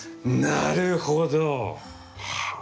なるほど！